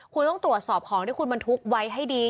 คุณต้องตรวจสอบของที่คุณบรรทุกไว้ให้ดี